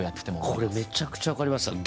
これめちゃくちゃ分かりますわ。